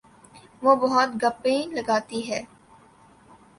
وہ بہت گپیں لگاتی ہے